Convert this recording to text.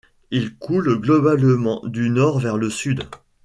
Il coule globalement du nord vers le sud.